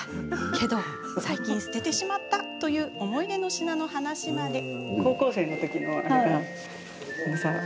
けど最近捨ててしまったという思い出の品の話まで。